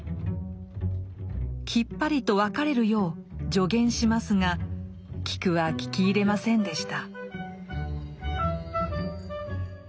きっぱりと別れるよう助言しますがキクは聞き入れませんでした。